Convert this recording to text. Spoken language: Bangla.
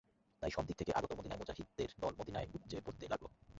তাই সব দিক থেকে আগত মদীনায় মুজাহিদদের দল মদীনায় উপচে পড়তে লাগল।